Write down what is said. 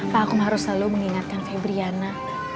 pak aku harus selalu mengingatkan febriana